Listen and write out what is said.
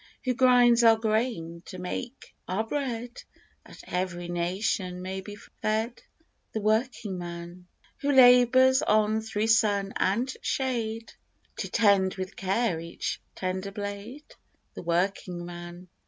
Who grinds our grain to make our bread, That every nation may be fed ? The working man. Who labors on thru sun and shade To 'tend with care each tender blade? The working man.